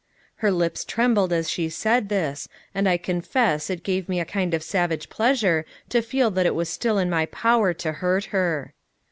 Her lips trembled as she said this, and I confess it gave me a kind of savage pleasure to feel that it was still in my power to hurt her.